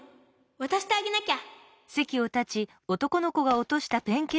わたしてあげなきゃ！